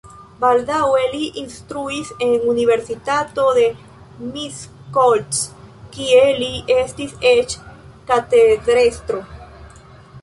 Baldaŭe li instruis en universitato de Miskolc, kie li estis eĉ katedrestro.